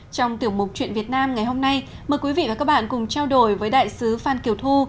trong tiểu mục chuyện việt nam ngày hôm nay mời quý vị và các bạn cùng trao đổi với đại sứ phan kiều thu